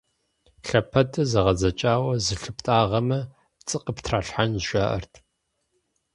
Лъэпэдыр зэгъэдзэкӀауэ зылъыптӀагъэмэ, пцӀы къыптралъхьэнущ, жаӀэрт.